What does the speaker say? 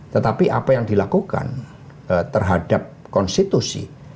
tetapi apa yang dilakukan terhadap konstitusi